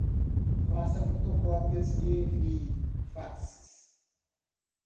Faça fotocópias e envie faxes.